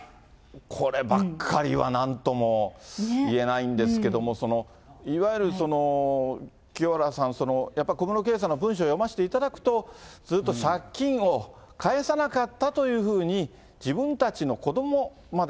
こればっかりは、なんとも言えないんですけども、いわゆる、清原さん、やっぱり小室圭さんの文書を読ませていただくと、ずっと借金を返さなかったというふうに自分たちの子どもまで、